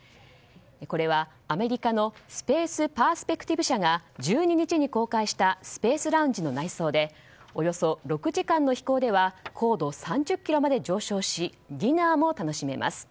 これはアメリカのスペース・パースペクティブ社が２１日に公開したスペース・ラウンジの内装でおよそ６時間の飛行では高度３０ｋｍまで上昇しディナーも楽しめます。